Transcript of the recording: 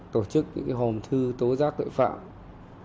tổ chức những hồn thư tố giác tội phạm